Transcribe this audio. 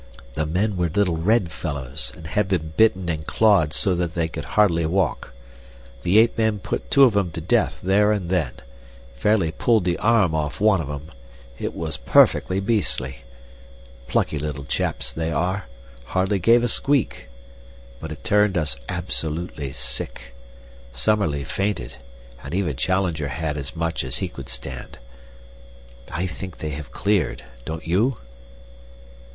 The men were little red fellows, and had been bitten and clawed so that they could hardly walk. The ape men put two of them to death there and then fairly pulled the arm off one of them it was perfectly beastly. Plucky little chaps they are, and hardly gave a squeak. But it turned us absolutely sick. Summerlee fainted, and even Challenger had as much as he could stand. I think they have cleared, don't you?"